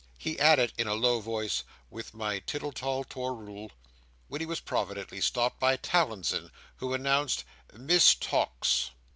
He added in a low voice, "With my tiddle tol toor rul"—when he was providentially stopped by Towlinson, who announced: "Miss Tox!"